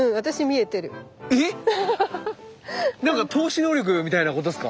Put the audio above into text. え⁉何か透視能力みたいなことっすか？